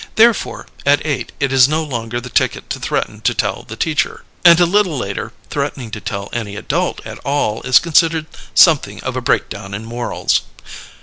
Therefore, at eight it is no longer the ticket to threaten to tell the teacher; and, a little later, threatening to tell any adult at all is considered something of a breakdown in morals.